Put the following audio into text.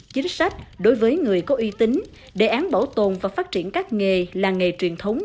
chính sách đối với người có uy tín đề án bảo tồn và phát triển các nghề làng nghề truyền thống